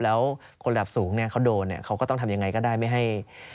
แล้วคนระดับสูงเนี่ยเขาโดนเนี่ยเขาก็ต้องทำยังไงก็ได้ไม่ให้